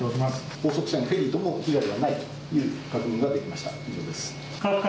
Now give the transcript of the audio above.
高速船フェリーとも被害がないと確認できました。